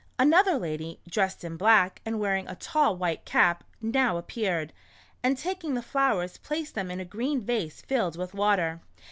Another lady, dressed in black and w^earing a tall white cap, now appeared, and taking the flowers placed them in a green vase filled with water.